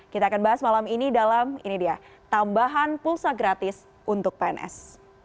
kita akan bahas malam ini dalam ini dia tambahan pulsa gratis untuk pns